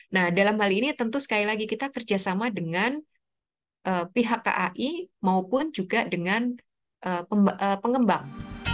nah dalam hal ini tentu sekali lagi kita kerjasama dengan pihak kai maupun juga dengan pengembang